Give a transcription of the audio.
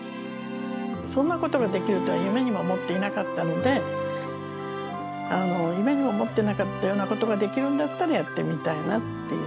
そんなことができるとは夢にも思ってなかったので、夢にも思ってなかったようなことが、できるんだったらやってみたいなっていう。